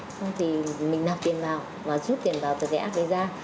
xong thì mình nạp tiền vào và rút tiền vào từ cái app đấy ra